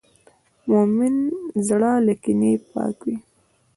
د مؤمن زړه له کینې پاک وي.